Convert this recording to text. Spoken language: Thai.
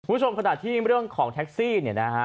คุณผู้ชมขณะที่เรื่องของแท็กซี่เนี่ยนะฮะ